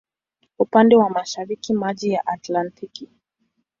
Upande wa mashariki maji ya Atlantiki.